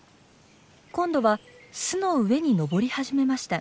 今度は巣の上に登り始めました。